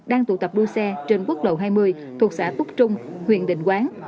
đang tụ tập đua xe trên quốc lộ hai mươi thuộc xã túc trung huyện định quán